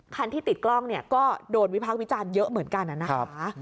คันที่ติดกล้องเนี่ยก็โดนวิพากษ์วิจารณ์เยอะเหมือนกันนะคะ